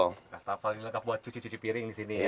wastafel ini lengkap buat cuci cuci piring disini ya